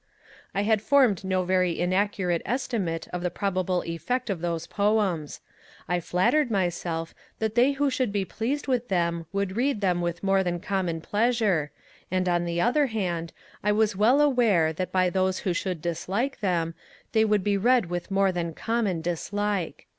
I had formed no very inaccurate estimate of the probable effect of those Poems: I flattered myself that they who should be pleased with them would read them with more than common pleasure: and, on the other hand, I was well aware, that by those who should dislike them, they would be read with more than common dislike.